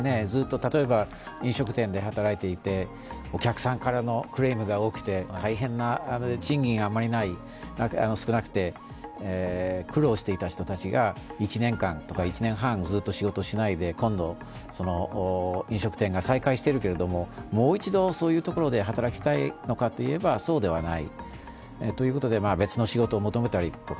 例えば飲食店で働いていてお客さんからのクレームが多くて大変な、賃金が少なくて苦労していた人たちが１年間とか１年半ずっと仕事しないで、今度、飲食店が再開しているけれども、もう一度、そういうところで働きたいのかといえばそうではないということで別の仕事を求めたりとか。